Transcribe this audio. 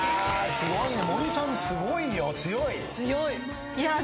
すごいな。